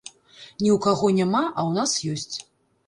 Ні ў каго няма, а ў нас ёсць.